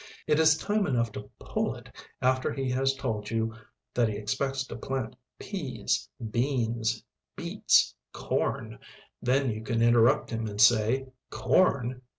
It is time enough to pull it after he has told you that he expects to plant peas, beans, beets, corn. Then you can interrupt him and say: "Corn?"